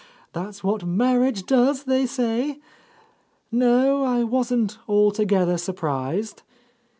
That's what marriage does, they say. No, I wasn't altogether sur prised.